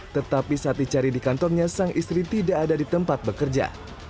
tetapi saat dicari di kantornya sang istri tidak ada di tempat bekerja